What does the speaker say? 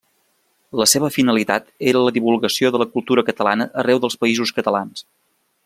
La seva finalitat era la divulgació de la cultura catalana arreu dels Països Catalans.